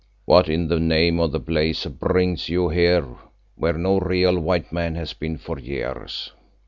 "What in the name of blazes brings you here where no real white man has been for years?